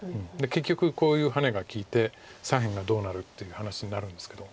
結局こういうハネが利いて左辺がどうなるっていう話になるんですけど。